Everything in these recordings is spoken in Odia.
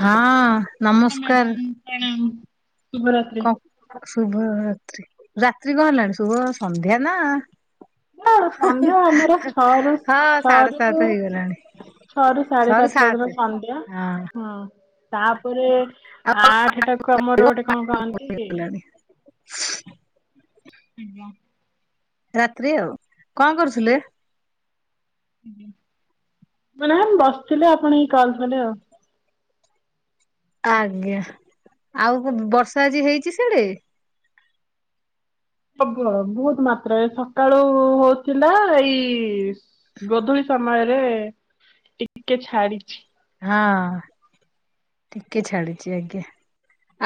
ହଁ ନମସ୍କାର। ହାଲୋ ଶୁଭ ରାତ୍ରି। କ ଶୁଭ ରାତ୍ରି ରାତ୍ରି କଣ ହେଲାଣି ଶୁଭ ସନ୍ଧ୍ୟା ନା। ନା ସନ୍ଧ୍ୟା ଆମର ଛଅରୁ ହଁ ସାଢେ ସାତ ହେଇଗଲାଣି। ଛଅ ରୁ ସାଢେ ସରି ସାତ ପର୍ଯ୍ୟନ୍ତ ସାତେ। ସନ୍ଧ୍ୟା ହଁ। ତାପରେ ଆଠ ଟାକୁ ଆମର ଗୋଟେ କଣ କହନ୍ତି? ହେଇଗଲାଣି [inaudible] ଫିଡ୍ ମ। ରାତ୍ରି ଆଉ କଣ କରୁଥିଲେ? ମାନେ ବସିଥିଲେ ଆପଣ ଏଇ କଲ ଥଲେ ଆଉ। ଆଜ୍ଞା ଆଉ ବୁ ବର୍ଷା ଆଜି ହେଇଛି ସିଆଡେ? ହବ ବହୁତ ମାତ୍ରାରେ ସକାଳୁ ହଉଥିଲା ଏଇ ଗୋଧୂଳି ସମୟରେ ଟିକେ ଛାଡିଚି। ହଁ ଟିକେ ଛାଡିଚି ଆଜ୍ଞା।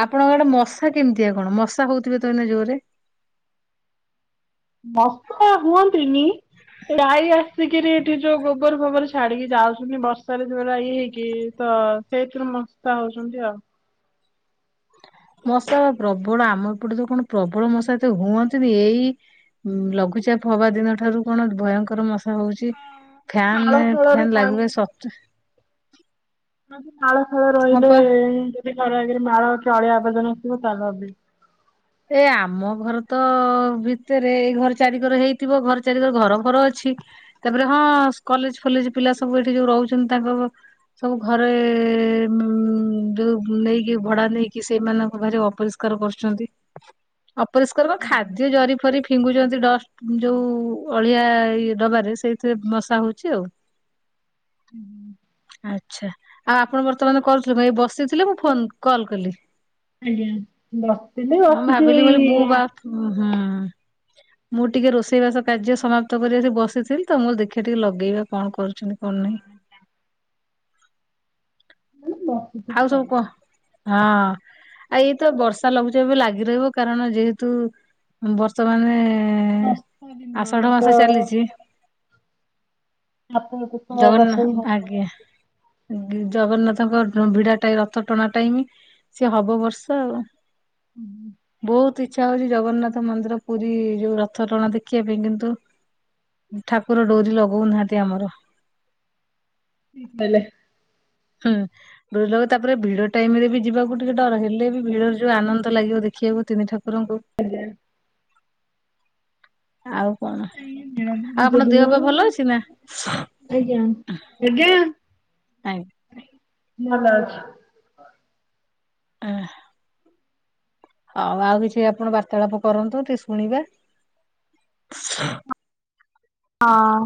ଆପଣଙ୍କ ଆଡେ ମଶା କେମିତିଆ କଣ ମଶା ହଉଥିବେ ତ ଏନେ ଜୋରେ। ମସ୍ତ ହୁଅନ୍ତିନି। ଗାଈ ଆସିକିରି ଏଠି ଯୋଉ ଗୋବର ଫୋବର ଛାଡିକି ଯାଉଛନ୍ତି ବର୍ଷାରେ ଯୋଉ ଏରା ହେଇକି ତ ସେଇଥିରୁ ମଶା ହଉଛନ୍ତି ଆଉ। ମଶା ବା ପ୍ରବଳ ଆମ ଏପଟେ ତ କଣ ପ୍ରବଳ ମଶା ଏତେ ହୁଅନ୍ତିନି ଏଇ ଉଁ ଲଘୁଚାପ ହବା ଦିନ ଠାରୁ କଣ ଭୟଙ୍କର ମଶା ହଉଛି। ନାଳ ଫ୍ୟାନେ ଫାଳରୁ ଫ୍ୟାନ ପାଣି ଲାଗିବା ସତ୍ତ୍ୱେ ନାଳ ଫାଳ ହଁ ରହିଲେ ପା ଯଦି ଘରେ ଆଗରେ ମାଳ ଚଳିଆ ଆବର୍ଜନା ଥିବ ତାହେଲେ ହବେ। ଏ ଆମ ଘର ତ ଭିତରେ ଏଇ ଘର ଚାରି ଘର ହେଇଥିବ ଘର ଚାରିିକର ଘର ଘର ଅଛି। ତାପରେ ହଁ କଲେଜ ଫଲେଜ ପିଲା ସବୁ ଏଠି ଯୋଉ ରହୁଛନ୍ତି ତାଙ୍କ ସବୁ ଘରେ ଉ ଯୋଉ ନେଇକି ଭଡା ନେଇକି ସେଇମାନଙ୍କ ଭାରି ଅପରିସ୍କା କାର ପସୁଛନ୍ତି ଅପରିଷ୍କାର ଖାଦ୍ୟ ଜରି ଫରି ଫିଙ୍ଗୁଛନ୍ତି ଡଷ୍ଟ ଯେଉଁ ଅଳିଆ ଇଏ ଡବାରେ ସେଇଥିରେ ମଶା ହଉଚି ଆଉ। ହୁଁ ହୁ। ଆଛା ଆଉ ଆପଣ ବର୍ତ୍ତମାନ କରୁଥିଲେ ମୁ ଏଇ ବସଥିଲେ ମୁଁ ଫୋନ କଲ୍ କଲି। ଆଜ୍ଞା ବସିଥିଲି ବସିକି ଏଇ ଓ ହଁ। ମୁଁ ଟିକେ ରୋଷେଇବାସ କାର୍ଯ୍ୟ ସମାପ୍ତ କରି ଆସି ବସିଥିଲି ତ ମୋ ଦେଖିବା ଟିକେ ଲଗେଇବା କଣ କରୁଛନ୍ତି କଁ ନାହିଁ। [unintelligible] ଆଉ ସବୁ କ ହଁ। ଆ ଏଇତ ବର୍ଷା ଲଘୁଚାପ ବି ଲାଗି ରହିବ କାରଣ ଯେହେତୁ ବର୍ତ୍ତମାନ। ଏଁ ବର୍ଷା ଦିନ ଆଷାଢ ତ ମାସ ଚାଲିଛି। ଛାତ ଉପରେ ତ ଜଗନ୍ନା ବର୍ଷା ହିଁ ହବ ଆଜ୍ଞା ଜଗନ୍ନାଥଙ୍କ ଭିଡା ଟାଇ ରଥ ଟଣା ଟାଇମ ସିଏ ହବ ବର୍ଷା ଆଉ। ବହୁତ ଇଚ୍ଛା ହଉଛି ଜଗନ୍ନାଥ ମନ୍ଦିର ପୁରୀ ଯୋଉ ରଥ ଟଣା ଦେଖିବା ପାଇଁ କିନ୍ତୁ ଠାକୁର ଡୋରି ଲଗଉ ନାହାନ୍ତି ଆମର ବେଲେ ହୁଁ। ଡୋରି ଲ ତାପରେ ଭିଡ ଟାଇମ ରେ ବି ଯିବାକୁ ଟିକେ ଡର ହେଲେ ବି ଭିଡ ଯୋଉ ଆନନ୍ଦ ଲାଗିବ ଦେଖିବାକୁ ତିନି ଠାକୁରଙ୍କୁ ଆଜ୍ଞା। ଆଉ କଣ? ଏଇ ନୀଳାଦ୍ରି ଆଉ ବିଜେ ଆପଣ ଦିନ ଦେହ ପା ଭଲ ଅଛି ନା? ଆଜ୍ଞା। ଆଁଗ୍ ନ ଲ [unintelligible] ଆଃ ଆଉ ଆଉ କିଛି ଆପଣ ବାର୍ତ୍ତାଳାପ କରନ୍ତୁ ଟିକେ ଶୁଣିବା ହଁ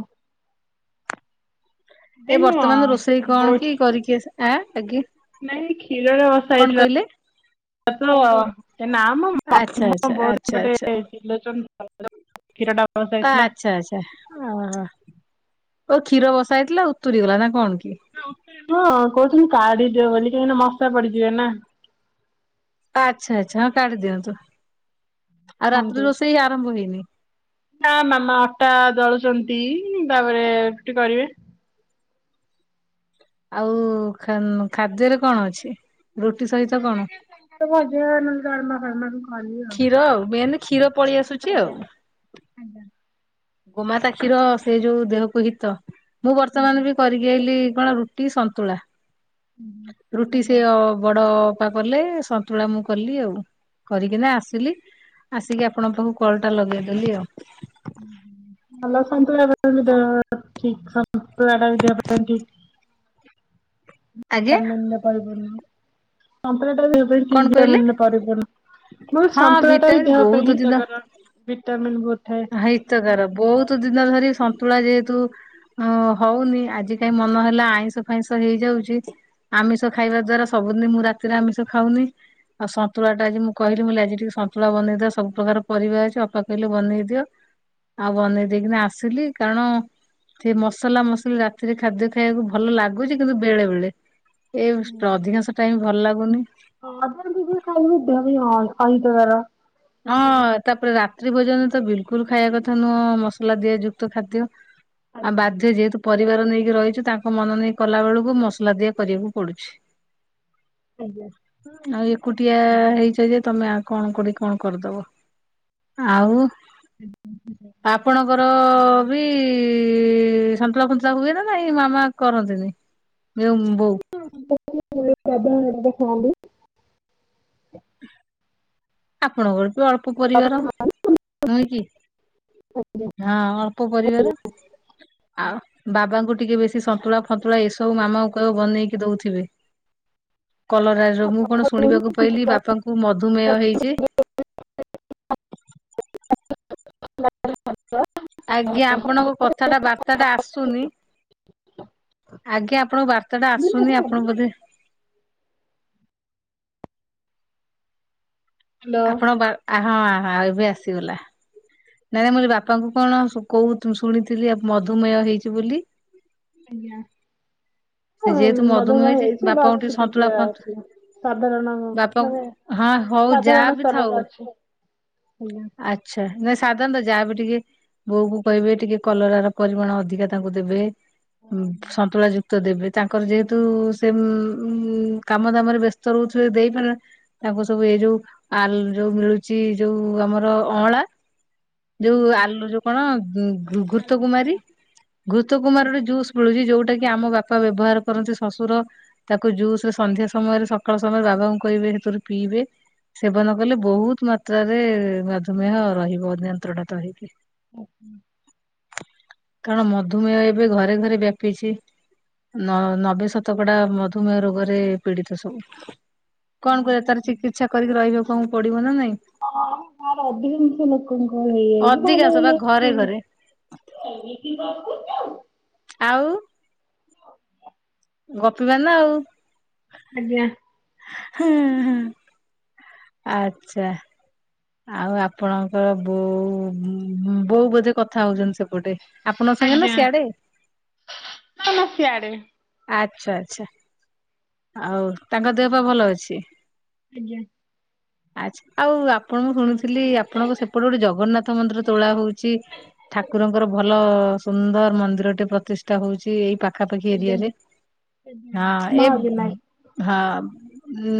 ଏ ଏଇ ମୋ ବର୍ତ୍ତମାନ ରୋଷେଇ ବୋଉ କଣ କି ଏଠି କରିକି ଆସି ଆଁ ଆଗି ନାଇଁ ଖିରରେ ବସା ହେଇଥିଲା ଆପଣ ତ ନା ଆମ ଆଚ୍ଛା [unintelligible] ଆଚ୍ଛା ଆଚ୍ଛା କ୍ଷୀର ଆଚ୍ଛା ଟା ବ ଯାଇଥିଲା ଛା ଆଛା ଓ ହୋ ଓ କ୍ଷୀର ବସା ହେଇଥିଲା ଉତୁରିଗଲା ନା କଣ କି? ହଁ କହୁଛନ୍ତି କାଢିଦିଅ ବୋଲି କାହିଁକିନା ମଶା ପଡିଯିବେ ନା ଆଚ୍ଛା ଆଚ୍ଛା ହଁ କାଢି ଦିଅନ୍ତୁ ଆଉ ରାତ୍ କୁହନ୍ତୁ। ରି ରୋଷେଇ ଆରମ୍ଭ ହେଇନି ନା ମାମା ଅଟା ଦଳୁଛନ୍ତି ତାପରେ ରୁଟି କରିବେ ଆଉ ଖାନ୍ ଖାଦ୍ୟରେ କଣ ଅଛି ରୁଟି ସହିତ? କଣ ତ ଭଜ ନ ଡ଼ାଳମା ଖଳମା ସବୁ କ୍ଷୀର ଆଉ ମେନ୍ କ୍ଷୀର ପଳେଇ ଆସୁଛି ଆଉ ଆଜ୍ଞା ଗୋମାତା କ୍ଷିର ସେ ଯୋଉ ଦେହକୁ ହିତ ମୁଁ ବର୍ତ୍ତମାନ ବି କରିକି ଆଇଲି କଣ ରୁ ଟି ସନ୍ତୁଳା ରୁଟି ସେଅ ବଡ ଅପା କଲେ ସନ୍ତୁଳା ମୁଁ କଲି ଆଉ କରିକିନା ଆସିଲି ଆସିକି ଆପଣଙ୍କ ପାଖକୁ କଲ୍ ଟା ଲଗେଇଦଲି ଆଉ [inaudible] [unintelligible] ଜ ଆଜ୍ଞା ପପୂର୍ଣ୍ଣ କପଟା ବି [unintelligible] କଣ ଭିିବନ କହିଲେ? ମ ହଁ ସନ୍ତୁଳା ଟା ବି ଭିଟାମିନ୍ ଦେହ ପାଇଁ ବହୁତ ହିତକର ଭିଟାମିନ ବହୁତ ଥାଏ ହଁ ହ ହିଁତକାର ବହୁତ ଦିନ ଧରି ସନ୍ତୁଳା ଯେହେତୁ ହଁ ହଉନି ଆଜି କାହିଁ ମନ ହେଲା ଆଇଁଷ ଫାଇଁଷ ହେଇଯାଉଛି ଆମିଷ ଖାଇବା ଦ୍ଵାରା ସବୁଦିନ ମୁଁ ରାତିରେ ଆମିଷ ଖାଉନି ଆଉ ସନ୍ତୁଳା ଟା ଆଜି ମୁଁ କହିଲି ମୁ ଆଜି ଟିକେ ସନ୍ତୁଳା ବନେଇଦଅ ସବୁ ପ୍ରକାର ପରିବା ଅଛି ଅପା କହିଲେ ବନେଇଦ ଦିଅ ଆଉ ବନେଇ ଦେଇକିନା ଆସିଲି କାରଣ ଥି ମସଲା ମସଲି ରାତିରେ ଖାଦ୍ୟ ଖାଇବାକୁ ଭଲ ଲାଗୁଛି କିନ୍ତୁ ବେଳେ ବେଳେ ଏଇ ଷ୍ଟ ଅଧିକାଂଶ ଟାଇମ ଭଲ ଲାଗୁନି ହଁ ଆ [unintelligible] ଦୁ ଖାଇଦ ବାର ହଁ ତାପରେ ରାତ୍ରି ଭୋଜନ ତ ବିଲକୁଲ ଖାଇବା କଥା ନୁହଁ ମସଲା ଦିୟଯୁକ୍ତ ଖାଦ୍ୟ ଆଉ ବାଧ୍ୟ ଯେହେତୁ ପରିବାର ନେଇକି ରହିଛୁ ତାଙ୍କ ମନ ନେଇ କଲା ବେଳକୁ ମସଲା ଦିଆ କରିବାକୁ ପଡୁଛି ଆଜ୍ଞା ଆଉ ଏକୁଟିଆ ହେଇଛ ଯେ ତମେଆଉ କଣ କୋଡି କଣ କରିଦବ ଆଉ ଆପଣଙ୍କ ର ବି ଇ ସନ୍ତୁଲା ଫୁନ୍ତୁଲା ହୁଏ ନା ନାଇଁ ମାମା କରନ୍ତିନି ମିୟୋ ବୋଉ ହ [unintelligible] ଖନ୍ତି [inaudible] ଆପଣଙ୍କର ବି ଅଳ୍ପ ପରିବାର ନୁହେଁ କି ହଁ ଅଳ୍ପ ପରିବାର ଆଉ ବାବାଙ୍କୁ ଟିକେ ବେଶୀ ସନ୍ତୁଳା ଫନ୍ତୁଳା ଏସବୁ ମାମାଙ୍କୁ କହିବ ବନେଇକି ଦଉଥିବେ କଲରା ରୁ ମୁଁ କଣ ଶୁଣିବାକୁ ପାଇଲିି ବାପାଙ୍କୁ ମଧୁମେହ ହେଇଛେ ହନ୍ତ [unintelligible] ଆଜ୍ଞା ଆପଣଙ୍କ କଥା ଟା ବାର୍ତ୍ତା ଟା ଆସୁନି ଆଜ୍ଞା ଆପଣଙ୍କ ବାର୍ତା ଏତେଟା ଆସୁନି ଆପଣ ହ୍ୟାଲୋ। ବୋଧେ ଆପଣ ବା ହଁଁ ହଁ ଏବେ ଆସିଗଲା। ନାଇଁ ନାଇ, ବାପାଙ୍କୁ କଣ କହୁ ତୁ ଶୁଣିଥିଲି ମଧୁମେହ ହେଇଛି ବୋଲି? ଆଜ୍ଞା। ସେ ହ ଯେହେତୁ ମଧୁମେହ ମଧୁମହ ହେଇଛି, ବା ବାପାଙ୍କୁ ଟିକେ ଅଛନ୍ତି ସେ ସନ୍ତୁଳା ଫନ୍ତୁଳା ଅଛି ସାଧାରଣ ବାପାଙ୍କୁ ମାନେ ହଁ ହଉ ଯାହା ସାଧାରଣ ବି ସ୍ତରରେ ଥାଉ ଅଛି। ଆଜ୍ଞା। ଆଚ୍ଛା। ନାଇଁ ସାଧାରଣତଃ ଯାହା ବିି ଟିକେ ବୋଉ କୁ କହିବେ ଟିକେ କଲରାର ପରିମାଣ ଅଧିକା ତାଙ୍କୁ ଦେବେ। ହୁଁ ସନ୍ତୁଳା ଯୁକ୍ତ ଦେବେ। ତାଙ୍କର ଯେହେତୁ ସେମ୍ କାମ ଦାମରେ ବ୍ୟସ୍ତ ରହୁଥିବେ ଦେଇପାରେ ତାଙ୍କୁ ସବୁ ଏଇ ଯୋଉ ଆ ଯୋଉ ମିଳୁଛି ଯୋଉ ଆମର ଅଁଳା। ଯୋଉ ଆଲୁ ଯୋଉ କଣ ଘୁ ଘୃତ କୁମାରୀ ଘୃତ କୁମାରି ରୁ ଜୁସ୍ ମିଳୁଛି ଯୋଉଟା କି ଆମ ବାପା ବ୍ୟବହାର କରନ୍ତି ଶ୍ୱଶୁର ତାକୁ ଜୁସ୍ ରେ ସନ୍ଧ୍ୟା ସମୟରେ, ସକାଳ ସମୟରେ ବାବାଙ୍କୁ କହିବେ ସେଥିରୁ ପିଇବେ। ସେବନ କଲେ ବହୁତ ମାତ୍ରାରେ ମଧୁମେହ ରହିବ ନିୟନ୍ତ୍ରଣାତହିଇକି। ଆଚ୍ଛା। କାରଣ ମଧୁମେହ ଏବେ ଘରେ ଘରେ ବ୍ୟାପିଛି। ନ ନବେ ଶତକଡା ମଧୁମେହ ରୋଗରେ ପୀଡିତ ସବୁ। କଣ କହିବ ତାର ଚିକିତ୍ସା କରିକି ରହିବାକୁ ଅମକୁ ପଡିବ ନା ନାଇଁ। ହଁ ର ଅଧିକାଂଷ ଲୋକଙ୍କ ହେଇଯାଇଛି ଭଲ ଅଧିକାଂଶ ବା ଭଲ ଘରେ ଅଛି ଘରେ। [unintelligible] ଆଉ ଗପିବା ନା ଆଉ। ଆଜ୍ଞା। ହଁ ହଁ, ଆଚ୍ଛା। ଆଉ ଆପଣଙ୍କର ବୋଉ, ବୋଉ ବୋଧେ କଥା ହଉଛନ୍ତି ସେପଟେ? ଆପଣଙ୍କ ସାଙ୍ଗେ ନା ସିଆଡେ? ନା ନା ସିଆଡେ। ଆଚ୍ଛା ଆଚ୍ଛା। ଆଉ ତାଙ୍କ ଦେହ ପା ଭଲ ଅଛି? ଆଜ୍ଞା। ଆଚ୍ଛା। ଆଉ ଆପଣ ମୁଁ ଶୁଣିଥିଲି ଆପଣଙ୍କ ସେପଟେ ଗୋଟେ ଜଗନ୍ନାଥ ମନ୍ଦିର ତୋଳା ହଉଛି? ଠାକୁରଙ୍କର ଭଲ ସୁନ୍ଦର ମନ୍ଦିରଟେ ପ୍ରତିଷ୍ଠା ହଉଛି ଏଇ ପାଖାପାଖି ଏରିଆରେ। ହଁ ଏ ହଁ। ହୁଁ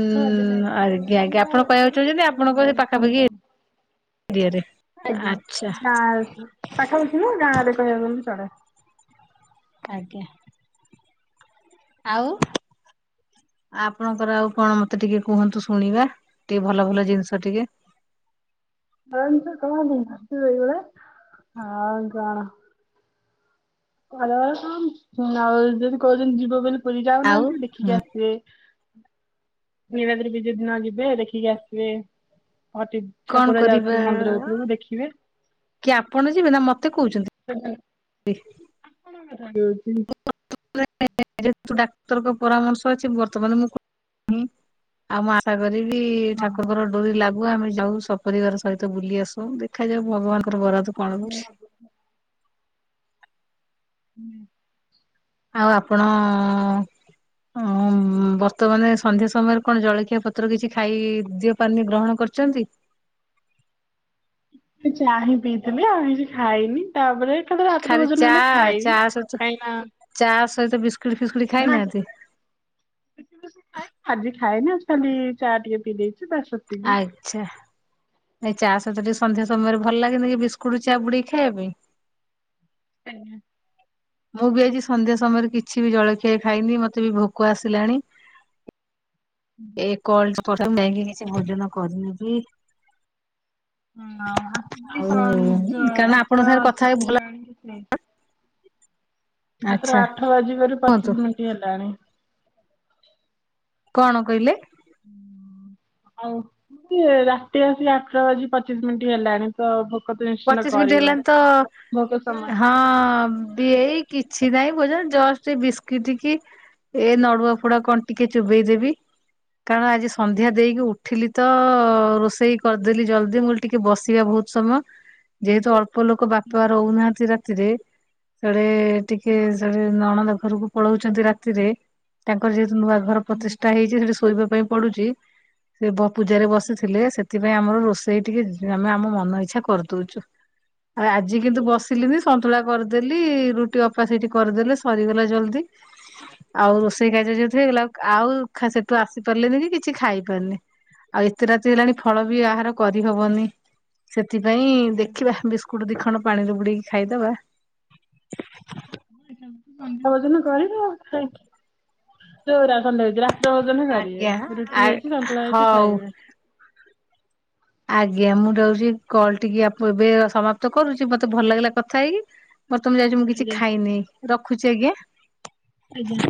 ଆଜ୍ଞା ଆଜ୍ଞା ଆପଣ କହିବାକୁ ଚାହୁଁଛନ୍ତି ଆପଣଙ୍କ ହେ ପାଖାପାଖି ଏ ଆଜ୍ଞା ଆଚ୍ଛା ଗାଁ ପାଖାପାଖି ନୁହଁ ଗାଁରେ କହିବାକୁ ଗଲେ ଚଳେ। ଆଜ୍ଞା। ଆଉ। ଆପଣଙ୍କର ଆଉ କଣ ମତେ ଟିକେ କୁହନ୍ତୁ ଶୁଣିବା। ଟିକେ ଭଲ, ଭଲ ଜିନିଷ ଟିକେ। [unintelligible] ଆଉ କଣ। ଆଉ ଯଦି କହୁଛନ୍ତି ଯିବ ବୋଲି ପୁରୀ ଆଉ ଯାଉନାହାନ୍ତି ଦେଖିକି ଆସ ବେ। ନୀଳାଦ୍ରି ବିଜେ ଦିନ ଯିବେ ଦେଖିକି ଆସିବେ। କଣ ଠାକୁର କରିବା। ଯାଉଥିବେ ମନ୍ଦିର ଭିତରକୁ ଦେଖିବେ କିଏ ଆପଣ ଯିବେ ନା ମତେ କହୁଛନ୍ତି? [inaudible] [unintelligible] ଯେହେତୁ ଡାକ୍ତରଙ୍କ ପରାମର୍ଶ ଅଛି, ବର୍ତ୍ତମାନ ମୁଁ ଆଉ ମୁଁ ଆଶା କରିବି ଠାକୁରଙ୍କ ଡୋରି ଲାଗୁ ଆମେ ଯାଉ ସ ପରିବାର ସହିତ ବୁଲିଆସୁ ଦେଖାଯାଉ ଭଗବାନଙ୍କର ବରାଦ କଣ ହଉଛି। ହୁଁ। ଆଉ ଆପଣ ହଁ ବର୍ତ୍ତମାନ ସନ୍ଧ୍ୟା ସମୟରେ କଣ ଜଳଖିଆ ପତ୍ର କିଛି ଖାଇଦିଅ। ପାନି ଗ୍ରହଣ କରିଚନ୍ତି? ସେ ଚା ହିଁ ପିଇଥିଲି ଆଉ କିଛି ଖାଇନି। ତାପରେ ଏକାଥରେ ରାତ୍ରି ଖାଲି ଭୋଜନ ଚା ହେଲେ ଚା ଖାଇବି। ସହିତ କାଇଁନା ଚା ସହିତ ବିସ୍କିଟି ଫିସ୍କୁଟ ଖାଇନାହାଁନ୍ତି? ଖାଏ, ଆଜି ଖାଇନି, ଆଜି ଖାଲି ଚା ଟିକେ ପିଇ ଦେଇଛି। ବାସ୍ ସେତିକି ଆଇଗ୍ ଚା, ନାଇଁ ଚା ସହିତ ଟିକେ ସନ୍ଧ୍ୟା ସମୟରେ ଭଲ ଲାଗେନି କି, ବିସ୍କୁଟ ଚା ବୁଡେଇକି ଖାଇବା ପାଇଁ? [unintelligible] ମୁଁ ବି ଆଜି ସନ୍ଧ୍ୟା ସମୟରେ କିଛି ବି ଜଳଖିଆ ଖାଇନି, ମତେ ବି ଭୋକ ଆସିଲାଣି। ଏ କଲ୍ [unintelligible] କିଛି ଭୋଜନ କରିନେବି। ହଁ ଆ ବି ଆଉ ସଞ୍ଜ କାରଣ ଆପଣଙ୍କ ରାତ୍ର ସାଙ୍ଗରେ କଥା ହେଇ ସେଠି ଭଲ ହେଲାଣି କେତେ? ମାତ୍ର ଆଚ୍ଛା ଆଠ ବାଜିବାରୁ କୁହନ୍ତୁ ପଚିଶ ମିଣ୍ଟି ହେଲାଣି। କଣ କହିଲେ? ଆଉ ସିଏ ରାତି ଆସିକି ଆଠଟା ବାଜି ପଚିଶ ମିଣ୍ଟି ହେଲାଣି। ତ ଭୋକ ତ ନି ପଚିଶ ମିଣ୍ଟି ହେଲାଣି ସମୟ ତ ହଁ ଏଇ କିଛି ନାଇଁ, ବୋ ଯୋଉ ଜଷ୍ଟ, ବିସ୍କିଟିକି ଏ ନଡୁଆ ଫଡୁଆ କଣ ଟିକେ ଚୋବେଇଦେବି କାରଣ ଆଜି ସନ୍ଧ୍ୟା ଦେଇକି ଉଠିଲି ତ, ରୋଷେଇ କରିଦେଲି ଜଲଦି ମୁଁ କହିଲି ଟିକେ ବସିବା ବହୁତ ସମୟ ଯେହେତୁ ଅଳ୍ପ ଲୋକ ବାପା ରହୁନାହାଁନ୍ତି ରାତିରେ, ସାଡେ ଟିକେ ସାଡେ ନଣନ୍ଦ ଘରକୁ ପଳଉଛନ୍ତି ରାତିରେ, ତାଙ୍କର ଯେହେତୁ ନୂଆ ଘର ପ୍ରତିଷ୍ଠା ହେଇଛି, ସେଠି ଶୋଇବା ପାଇଁ ପଡୁଛି ସେ ବ ପୂଜାରେ ବସିଥିଲେ, ସେଥିପାଇଁ ଆମର ରୋଷେଇ ଟିକେ ଆମେ ଆମ ମନ ଇଚ୍ଛା କରିଦଉଚୁ। ଆଉ ଆଜି କିନ୍ତୁ ବସିଲିନି, ସନ୍ତୁଳା କରିଦେଲି, ରୁଟି ଅପା ସେଇଠି କରିଦେଲେ ସ ସରିଗଲା ଜଲଦି ଆଉ ରୋଷେଇ କାର୍ଯ୍ୟ ଯେହେତୁ ହେଇଗଲା, ଆଉ ଖା ସେଠୁ ଆସିପାରିଲିନି କି କିଛି ଖାଇପାରିନି। ଆଉ ଏତେ ରାତି ହେଲାଣି ଫଳ ବି ଆହାର କରିହବନି। ସେଥିପାଇଁ ଦେଖିବା, ବିସ୍କୁଟ ଦିଖଣ୍ଡ ପାଣିରେ ବୁଡେଇକି ଖାଇଦବା। [unintelligible] ଭୋଜନ କରିବ, ଯୋଉ [unintelligible] [unintelligible] ଭୋଜନ ହିଁ ଆଜ୍ଞା କରିବେ, ଆ ରୁଟି ହେଇଛି, ସନ୍ତୁଳା ହେଇଛି, ହଉ। ଖାଇବେ। ଆଜ୍ଞା। ମୁଁ ଯାଉଛି କଲ୍ ଟିକି ଏବେ ସମାପ୍ତ କରୁଛି, ମତେ ଭଲ ଲାଗିଲା କଥା ହେଇକି ମର ତମେ ଯାଉଛ ମୁଁ କିଛି ଆଜ୍ଞା ଖାଇନେଇଁ, ରଖୁଛି ଆଜ୍ଞା? ଆଜ୍ଞା।